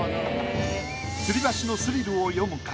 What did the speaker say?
吊り橋のスリルを詠むか？